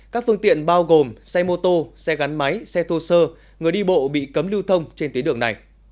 các phương tiện bao gồm xe mô tô xe gắn máy xe thô sơ người đi bộ bị cấm lưu thông trên tuyến đường này